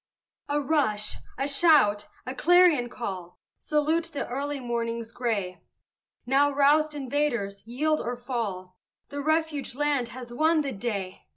A rush a shout a clarion call, Salute the early morning's gray: Now, roused invaders, yield or fall: The refuge land has won the day!